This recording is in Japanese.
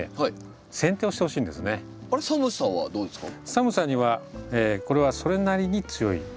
寒さにはこれはそれなりに強いですね。